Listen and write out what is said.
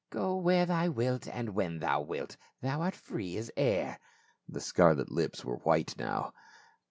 Go where thou wilt and when thou wilt ; thou art free as air." The scarlet lips were white now.